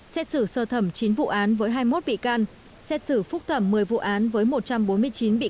xét xử sơ thẩm chín vụ án với hai mươi một bị can xét xử phúc thẩm một mươi vụ án với một trăm bốn mươi chín bị can